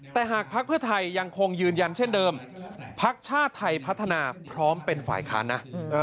แต่หากภักดิ์เพื่อไทยยังคงยืนยันเช่นเดิมพักชาติไทยพัฒนาพร้อมเป็นฝ่ายค้านนะ